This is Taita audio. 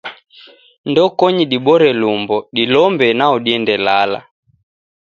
Ndokonyi dibore lumbo, dilombe nao diende lala.